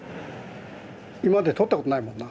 今まで撮ったことないもんな。